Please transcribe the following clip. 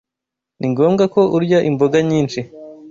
Ni ngombwa ko urya imboga nyinshi.